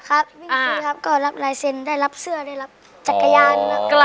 ครับไม่มีครับก็รับลายเซ็นต์ได้รับเสื้อได้รับจักรยาน